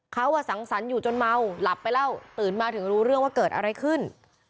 เขาสังสรรค์อยู่จนเมาหลับไปแล้วตื่นมาถึงรู้เรื่องว่าเกิดอะไรขึ้น